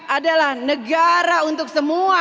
adalah negara untuk semua